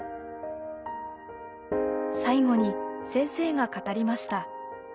最後に先生が語りました。